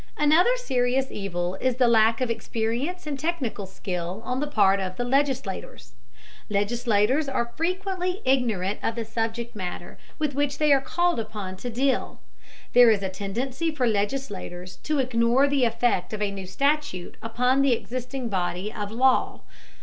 Another serious evil is the lack of experience and technical skill on the part of legislators. Legislators are frequently ignorant of the subject matter with which they are called upon to deal. There is a tendency for legislators to ignore the effect of a new statute upon the existing body of law.